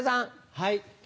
はい。